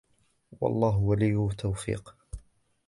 وَاَللَّهُ وَلِيُّ التَّوْفِيقِ